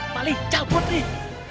mali cabut nih